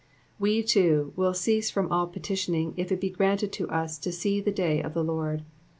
We, too, will cease from all petitioning if it be granted to us to see the day of the Lord.